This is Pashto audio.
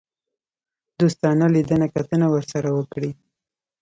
دوستانه لیدنه کتنه ورسره وکړي.